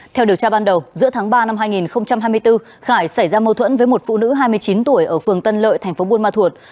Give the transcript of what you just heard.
theo điều tra ban đầu giữa tháng ba năm hai nghìn hai mươi bốn khải xảy ra mâu thuẫn với một phụ nữ hai mươi chín tuổi ở phường tân lợi tp bunma thuật